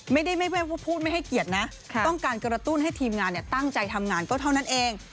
ไม่ได้พูดไม่ให้เกียรตินะต้องการกระตุ้นให้ทีมงานตั้งใจทำงานก็เท่านั้นเอง